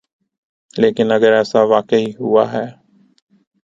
لیکن اگر ایسا واقعی ہوا ہے۔